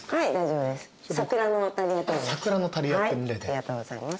ありがとうございます。